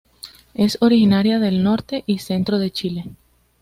Es originaria del norte y centro de Chile.